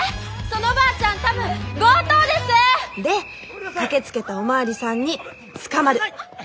そのおばあちゃん多分強盗です！で駆けつけたお巡りさんに捕まる。